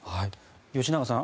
吉永さん